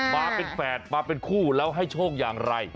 มาเป็นแฝดมาเป็นคู่แล้วให้โชคอย่างไร